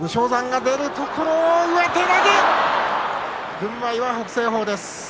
軍配は北青鵬です。